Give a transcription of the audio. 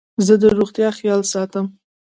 زه د روغتیا خیال ساتم.